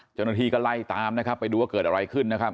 เจ้าหน้าที่ก็ไล่ตามนะครับไปดูว่าเกิดอะไรขึ้นนะครับ